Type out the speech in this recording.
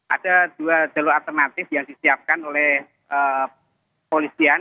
ada dua jalur alternatif yang disiapkan oleh polisian